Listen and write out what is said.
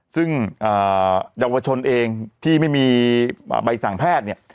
ซึ่งเยาวชนเองที่ไม่มีใบสั่งแพทย์เนี่ย